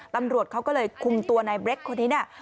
ตำรวจเขาก็เลยคุมตัวนายเบรคคนนี้เนี่ย